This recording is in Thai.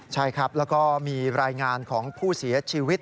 ใช่ครับแล้วก็มีรายงานของผู้เสียชีวิต